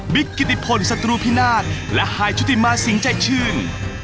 กิติพลศัตรูพินาศและฮายชุติมาสิงห์ใจชื่น